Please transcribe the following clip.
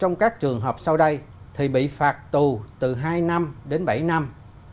trong các trường hợp sau đây thì bị phạt tù từ hai năm đến bảy năm